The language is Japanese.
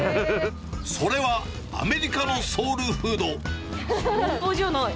それはアメリカのソウルフー半端じゃない！